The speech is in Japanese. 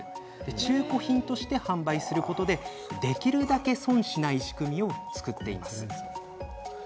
中古品として販売することでできるだけ損しない仕組みを作っています。